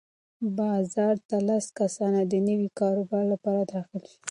بازار ته لس کسان د نوي کاروبار لپاره داخل شول.